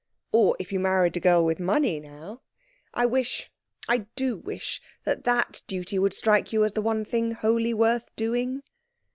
Or if you married a girl with money, now. I wish, I do wish, that that duty would strike you as the one thing wholly worth doing."